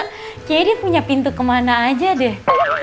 kayaknya dia punya pintu kemana aja deh